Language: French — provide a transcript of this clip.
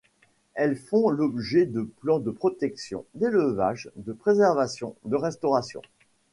Elles font l'objet de plans de protection, d'élevage, de préservation, de restauration.